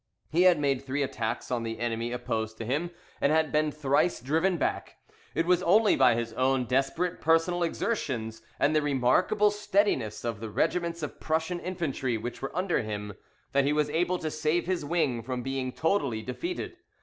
He had made three attacks on the enemy opposed to him, and had been thrice driven back. It was only by his own desperate personal exertions, and the remarkable steadiness of the regiments of Prussian infantry which were under him, that he was able to save his wing from being totally defeated.